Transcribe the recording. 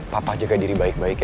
papa jaga diri baik baik ya